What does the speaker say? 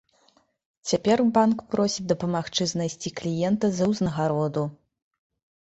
Цяпер банк просіць дапамагчы знайсці кліента за ўзнагароду.